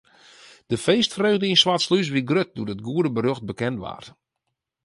De feestfreugde yn Swartslús wie grut doe't it goede berjocht bekend waard.